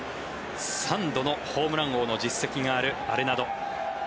３度のホームラン王の実績があるアレナド。